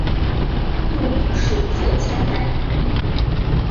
幼名是鹤千代。